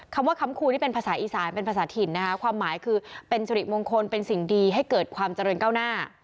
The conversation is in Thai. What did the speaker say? คำว่าค้ำคูนี่เป็นภาษาอีสานเป็นภาษาถิ่นนะคะความหมายคือเป็นสิริมงคลเป็นสิ่งดีให้เกิดความเจริญก้าวหน้า